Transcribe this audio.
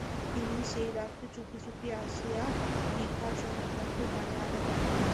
তিনি সেই রাত্রে চুপি চুপি আসিয়া বিভার শয়নকক্ষের দ্বারে আঘাত করিলেন।